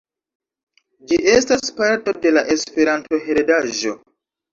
Ĝi estas parto de la Esperanto-heredaĵo.